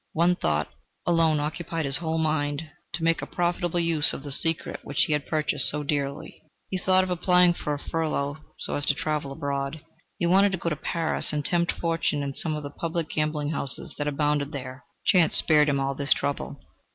One thought alone occupied his whole mind to make a profitable use of the secret which he had purchased so dearly. He thought of applying for a furlough so as to travel abroad. He wanted to go to Paris and tempt fortune in some of the public gambling houses that abounded there. Chance spared him all this trouble.